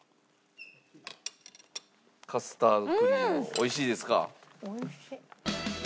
おいしいですか？